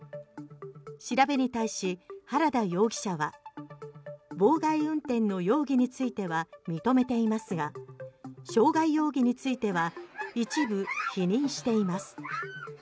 調べに対し原田容疑者は妨害運転の容疑については認めていますが傷害容疑については一部否認しています。